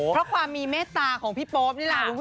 เพราะความมีเมตตาของพี่โป๊ปนี่แหละ